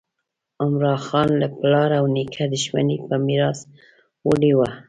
عمراخان له پلار او نیکه دښمني په میراث وړې وه.